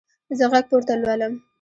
زه غږ پورته لولم.